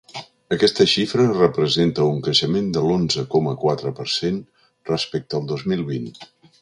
Aquesta xifra representa un creixement de l’onze coma quatre per cent respecte al dos mil vint.